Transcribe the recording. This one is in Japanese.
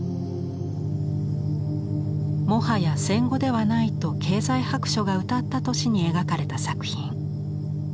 「もはや戦後ではない」と経済白書がうたった年に描かれた作品。